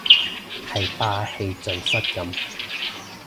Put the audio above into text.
係霸氣盡失咁